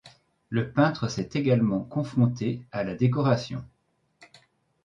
Le peintre s'est également confronté à la décoration.